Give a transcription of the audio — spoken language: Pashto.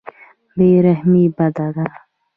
بې رحمي بده ده.